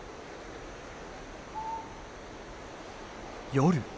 夜。